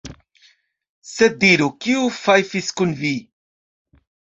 Sed diru, kiu fajfis kun vi?